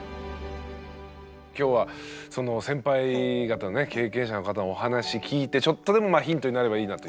今日はその先輩方のね経験者の方のお話聞いてちょっとでもヒントになればいいなと。